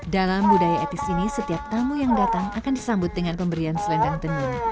dalam budaya etnis ini setiap tamu yang datang akan disambut dengan pemberian selendang tenun